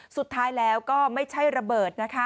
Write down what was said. สุดท้ายแล้วก็ไม่ใช่ระเบิดนะคะ